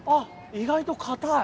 意外とかたい。